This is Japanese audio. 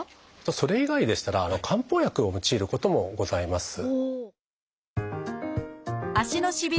それ以外でしたら漢方薬を用いることもございます。